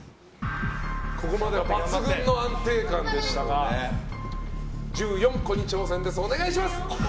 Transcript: ここまでは抜群の安定感でしたが１４個に挑戦です。